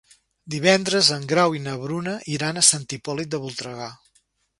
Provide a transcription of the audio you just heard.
Divendres en Grau i na Bruna iran a Sant Hipòlit de Voltregà.